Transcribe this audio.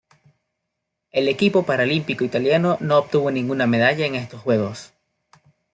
El equipo paralímpico italiano no obtuvo ninguna medalla en estos Juegos.